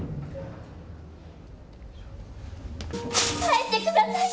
帰ってください！